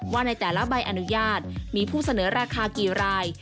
ในแต่ละใบอนุญาตมีผู้เสนอราคากี่ราย